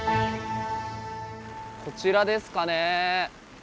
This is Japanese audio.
こちらですかね。